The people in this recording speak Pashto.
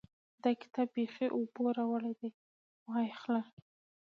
دا کتاب بېخي اوبو راوړی دی؛ وايې خله.